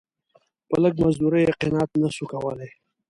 په لږ مزدوري یې قناعت نه سو کولای.